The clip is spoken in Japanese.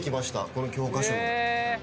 この教科書の。